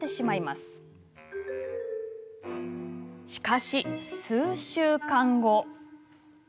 しかし、数週間後。